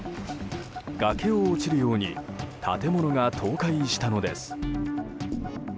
崖を落ちるように建物が倒壊したのです。